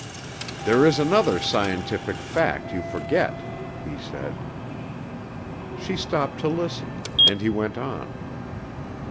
"There is another scientific fact you forget," he said. She stopped to listen, and he went on.